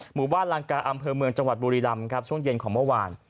หมู่บ้านลังกาอำเภอเมืองจังหวัดบุรีรำครับช่วงเย็นของเมื่อวาน